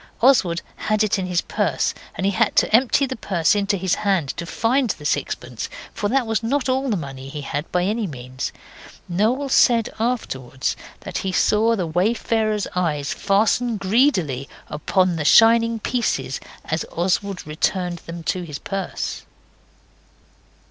Oswald had it in his purse, and he had to empty the purse into his hand to find the sixpence, for that was not all the money he had, by any means. Noel said afterwards that he saw the wayfarer's eyes fastened greedily upon the shining pieces as Oswald returned them to his purse.